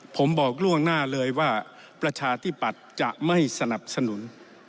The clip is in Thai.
ผมบอกล่วงหน้าเลยว่าประชาธิปัตย์จะไม่สนับสนุน